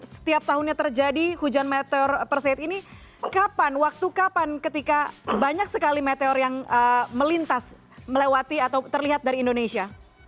setiap tahunnya terjadi hujan meteor perseit ini kapan waktu kapan ketika banyak sekali meteor yang melintas melewati atau terlihat dari indonesia